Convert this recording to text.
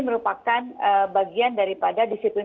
merupakan bagian daripada disiplin